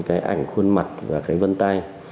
cái ảnh khuôn mặt và cái vân tay